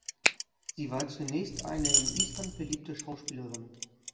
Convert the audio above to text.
Sie war zunächst eine in Island beliebte Schauspielerin.